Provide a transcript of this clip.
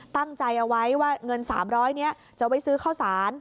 ตั้งใจเอาไว้ว่าเงิน๓๐๐นี้จะไว้ซื้อข้าวสาร